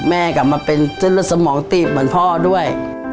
กลับมาเป็นเส้นเลือดสมองตีบเหมือนพ่อด้วย